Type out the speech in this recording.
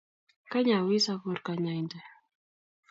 Kany awis akur kanyointe.